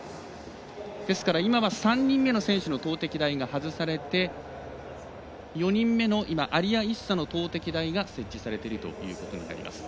ですから、今は３人目の選手の投てき台が外されて４人目のアリア・イッサの投てき台が設置されているということになります。